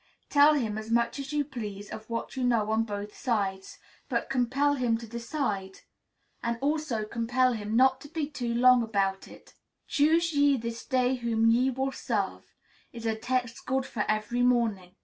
Tell him as much as you please of what you know on both sides; but compel him to decide, and also compel him not to be too long about it. "Choose ye this day whom ye will serve" is a text good for every morning.